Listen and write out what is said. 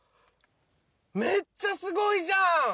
めっちゃすごいじゃん！